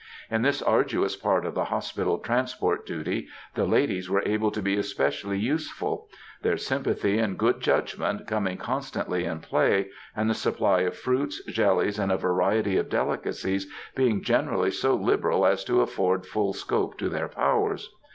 In this arduous part of the Hospital Transport duty, the ladies were able to be especially useful; their sympathy and good judgment coming constantly in play, and the supply of fruits, jellies, and a variety of delicacies being generally so liberal as to afford full scope to their powers.